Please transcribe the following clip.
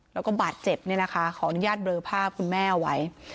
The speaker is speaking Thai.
แล้วก็บาดเจ็บขออนุญาตเบลอภาพคุณแม่เอาไว้